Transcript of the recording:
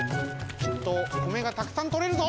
きっとこめがたくさんとれるぞ！